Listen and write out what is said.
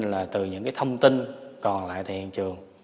là từ những cái thông tin còn lại tại hiện trường